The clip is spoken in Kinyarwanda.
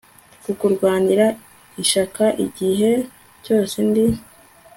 kukurwanira ishyaka igihe cyose, ndi